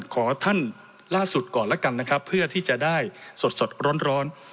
ขอท่านล่าสุดก่อนแล้วกันนะครับเพื่อที่จะได้สดร้อน